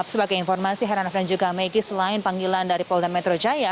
sebagai informasi heranov dan juga maggie selain panggilan dari polda metro jaya